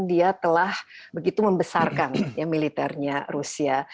dia telah begitu membesarkan militernya rusia